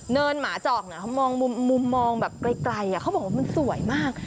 หมาจอกนะเขามองมุมมองแบบไกลเขาบอกว่ามันสวยมาก